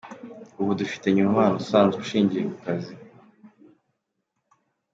Ubu dufitanye umubano usanzwe ushingiye ku kazi.